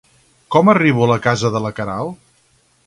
Com arribo a la casa de la Queralt?